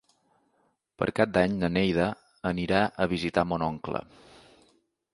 Per Cap d'Any na Neida anirà a visitar mon oncle.